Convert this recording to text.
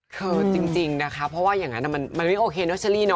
คือจริงนะคะเพราะว่าอย่างนั้นมันไม่โอเคเนอเชอรี่เน